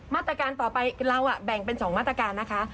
มาตรการต่อไปเราแบ่งเป็น๒มาตรการนะคะ